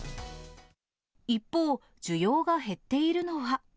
一方、需要が減っているのは。